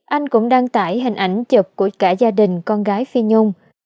anh cũng đăng tải hình ảnh chụp của cả gia đình con gái phi nhung